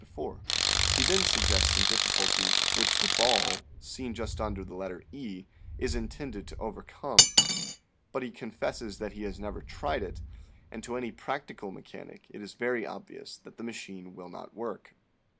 52 THE SEVEN FOLLIES OF SCIENCE He then suggests some difficulties which the ball, seen just under the letter E, is intended to overcome, but he confesses that he has never tried it, and to any practical mechanic it is very obvious that the machine will not work.